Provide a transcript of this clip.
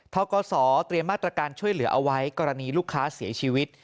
กศเตรียมมาตรการช่วยเหลือเอาไว้กรณีลูกค้าเสียชีวิต